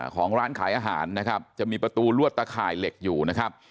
ของร้านขายอาหารนะครับจะมีประตูลวดตะข่ายเหล็กอยู่นะครับ